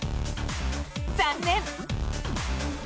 残念！